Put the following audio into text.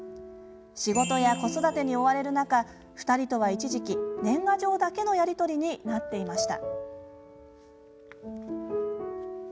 仕事や子育てに追われる中２人とは一時期、年賀状だけのやり取りになっていました。